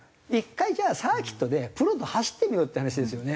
１回じゃあサーキットでプロと走ってみろって話ですよね。